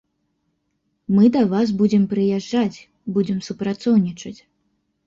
Мы да вас будзем прыязджаць, будзем супрацоўнічаць.